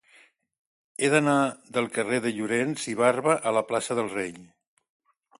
He d'anar del carrer de Llorens i Barba a la plaça del Rei.